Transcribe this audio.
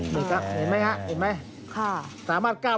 นี่ครับเห็นไหมครับ